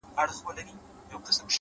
ړنده شې دا ښېرا ما وکړله پر ما دې سي نو;